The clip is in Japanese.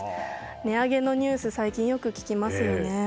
値上げのニュースを最近、よく聞きますよね。